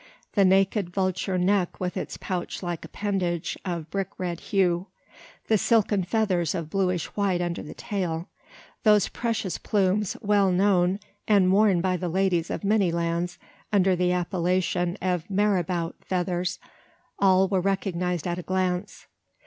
The naked vulture neck with its pouch like appendage of brick red hue; the silken feathers of bluish white under the tail those precious plumes well known and worn by the ladies of many lands under the appellation of marabout feathers all were recognised at a glance.